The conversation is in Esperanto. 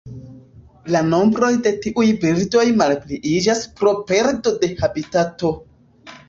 La nombroj de tiuj birdoj malpliiĝas pro perdo de habitato.